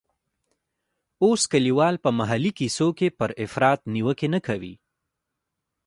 اوس کلیوال په محلي کیسو کې پر افراط نیوکې نه کوي.